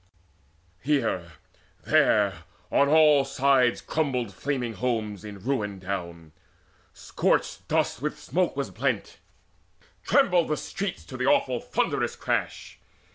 Here, there, on all sides crumbled flaming homes In ruin down: scorched dust with smoke was blent: Trembled the streets to the awful thunderous crash.